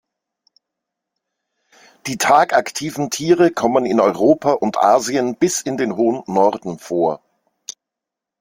Die tagaktiven Tiere kommen in Europa und Asien bis in den Hohen Norden vor.